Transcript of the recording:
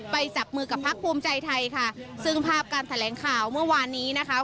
จับมือกับพักภูมิใจไทยค่ะซึ่งภาพการแถลงข่าวเมื่อวานนี้นะคะ